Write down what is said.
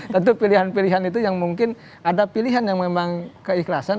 tentu pilihan pilihan itu yang mungkin ada pilihan yang memang keikhlasan